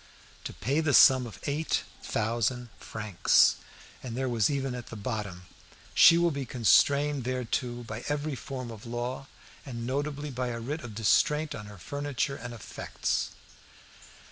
"To pay the sum of eight thousand francs." And there was even at the bottom, "She will be constrained thereto by every form of law, and notably by a writ of distraint on her furniture and effects."